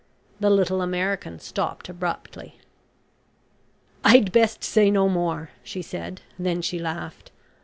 The little American stopped abruptly. "I'd best say no more," she said. Then she laughed.